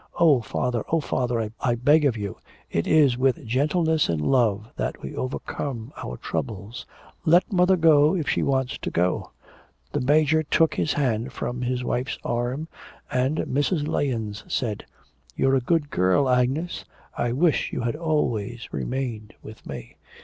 'Oh, father; oh, father, I beg of you.... It is with gentleness and love that we overcome our troubles. Let mother go if she wants to go.' The Major took his hand from his wife's arm, and Mrs. Lahens said: 'You're a good girl, Agnes. I wish you had always remained with me.